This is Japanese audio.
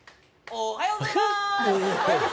おはようございます！